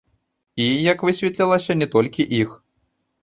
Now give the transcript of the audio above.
І, як высветлілася, не толькі іх.